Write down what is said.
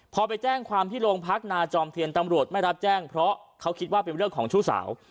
พอไปแจ้งความที่โรงพักนาจอมเทียนตำรวจไม่รับแจ้งเพราะเขาคิดว่าเป็นเรื่องของชู้สาว